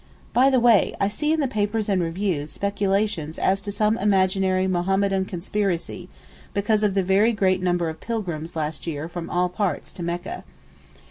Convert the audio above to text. By the way, I see in the papers and reviews speculations as to some imaginary Mohammedan conspiracy, because of the very great number of pilgrims last year from all parts to Mecca.